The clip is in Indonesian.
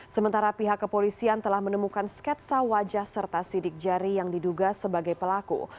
sementara pihak kepolisian telah menemukan sketsa wajah serta sidik jari yang diduga sebagai pelaku